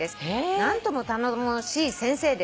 「何とも頼もしい先生です」